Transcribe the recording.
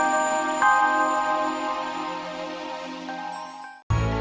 nih baru bareng aku itu